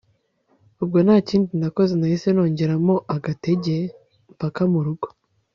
ubwo ntakindi nakoze nahise nongeramo agatege mpaka murugo